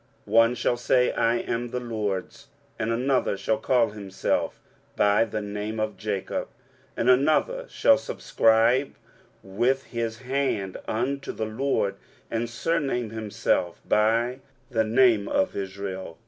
23:044:005 One shall say, I am the LORD's; and another shall call himself by the name of Jacob; and another shall subscribe with his hand unto the LORD, and surname himself by the name of Israel.